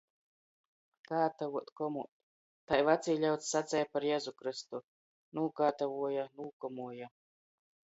Kātavuot, komuot - tai vacī ļauds saceja par Jezu Krystu. Nūkātavuoja, nūkomuoja.